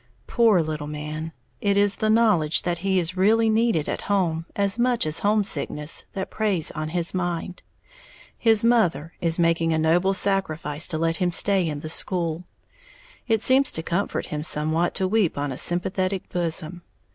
Poor little man, it is the knowledge that he is really needed at home, as much as homesickness, that preys on his mind, his mother is making a noble sacrifice to let him stay in the school. It seems to comfort him somewhat to weep on a sympathetic bosom.